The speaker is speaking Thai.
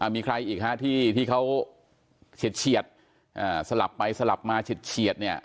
มีใครอีกฮะที่เขาเฉียดสลับไปสลับมาเฉียดเนี่ย